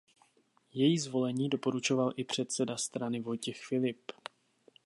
Její zvolení doporučoval i předseda strany Vojtěch Filip.